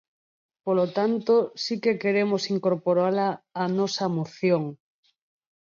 Polo tanto, si que queremos incorporala á nosa moción.